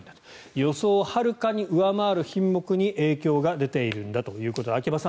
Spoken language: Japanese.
予想をはるかに上回る品目に影響が出ているんだということで秋葉さん